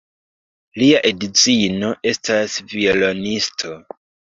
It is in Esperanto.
Lia edzino estas violonisto.